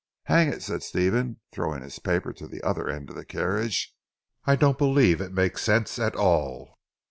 "Hang it!" said Stephen throwing his paper to the other end of the carriage. "I don't believe it makes sense at all!"